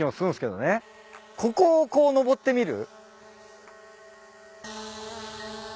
ここをこう上ってみる？